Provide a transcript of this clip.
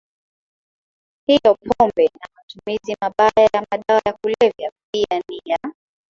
hiyoPombe na matumizi mabaya ya madawa ya kulevya pia ni ya